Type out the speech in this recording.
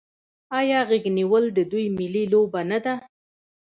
آیا غیږ نیول د دوی ملي لوبه نه ده؟